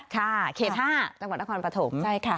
ค่ะเขต๕จังหวัดตะความประถม